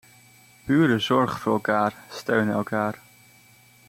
Buren zorgen voor elkaar, steunen elkaar.